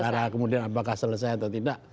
cara kemudian apakah selesai atau tidak